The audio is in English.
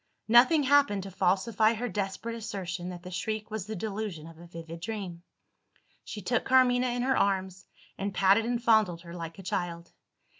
Nothing happened to falsify her desperate assertion that the shriek was the delusion of a vivid dream. She took Carmina in her arms, and patted and fondled her like a child.